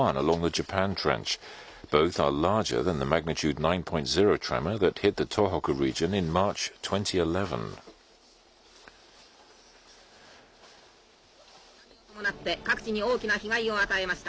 津波を伴って各地に大きな被害を与えました。